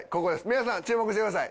皆さん注目してください。